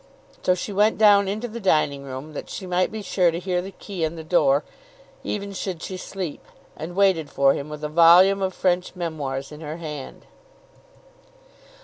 So she went down into the dining room, that she might be sure to hear the key in the door, even should she sleep, and waited for him with a volume of French memoirs in her hand.